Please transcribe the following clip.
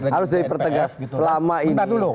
harus dipertegas selama ini